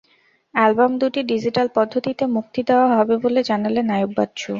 Album দুটি digital পদ্ধতিতে মুক্তি দেওয়া হবে বলে জানালেন আইয়ুব বাচ্চু।